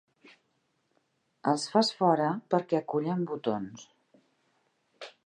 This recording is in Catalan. Els fas fora perquè acullen botons.